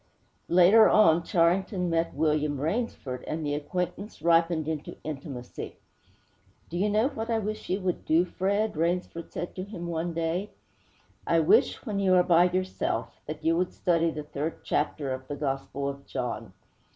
Later on, Charrington met William Rainsford, and the acquaintance ripened into intimacy. 'Do you know what I wish you would do, Fred?' Rainsford said to him one day. 'I wish, when you are by yourself, that you would study the third chapter of the Gospel of John!'